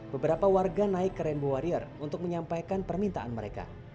beberapa warga naik ke rainbow warrior untuk menyampaikan permintaan mereka